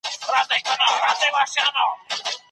د عقيدې اختلاف د بيلتون لامل ګرځي.